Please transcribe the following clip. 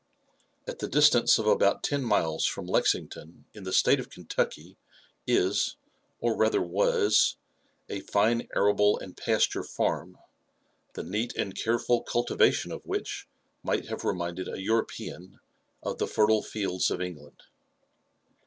At the distance of about teo^miles from Lexington in the State of Kentucky, is, or rather was, a fine arable and pasture farm, the neat and careful cultivation of which might have reminded a European of the fertile fields of England.